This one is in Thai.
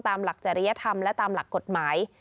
ตามหลักจริยธรรมและตามหลักกฎหมาย